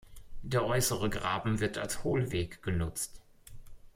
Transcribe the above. Der äußere Graben wird als Hohlweg genutzt.